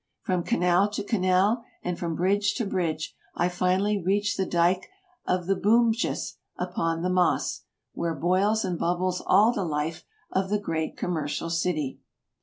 From canal to canal, and from bridge to bridge, I finally reached the dike of the Boompjes upon the Maas, where boils and bubbles all the life of the great commercial city.